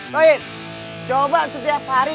tauin coba setiap hari